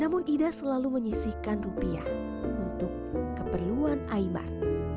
namun ida selalu menyisihkan rupiah untuk keperluan aymar